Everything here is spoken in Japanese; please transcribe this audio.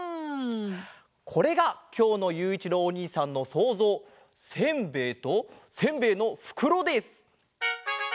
これがきょうのゆういちろうおにいさんのそうぞう「せんべい」と「せんべいのふくろ」です！